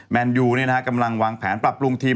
แมนดิวเนี่ยนะฮะกำลังวางแผนปรับปรุงทีม